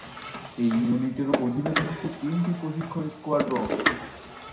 এই ইউনিটের অধীনে থাকবে তিনটি প্রশিক্ষণ স্কোয়াড্রন।